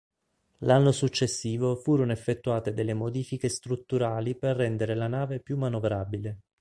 L'anno successivo furono effettuate delle modifiche strutturali per rendere la nave più manovrabile.